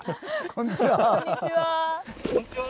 こんにちは。